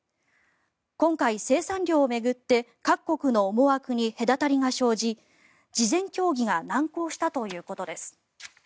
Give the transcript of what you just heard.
今回、生産量を巡って各国の思惑に隔たりが生じ事前協議が難航したということです。